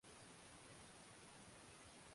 Unataka kupigwa picha